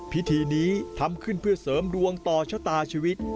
พิธีนี้ทำขึ้นเพื่อเสริมดวงต่อชะตาชีวิต